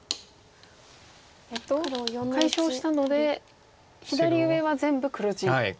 解消したので左上は全部黒地。